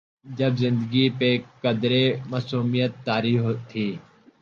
جب زندگی پہ قدرے معصومیت طاری تھی۔